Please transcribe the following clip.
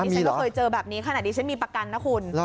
ฉันก็เคยเจอแบบนี้ขนาดนี้ฉันมีประกันนะคุณ